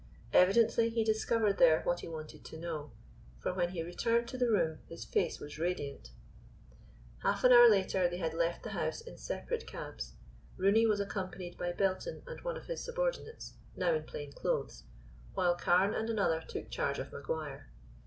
Evidently he discovered there what he wanted to know, for when he returned to the room his face was radiant. Half an hour later they had left the house in separate cabs. Rooney was accompanied by Belton and one of his subordinates, now in plain clothes, while Carne and another took charge of Maguire.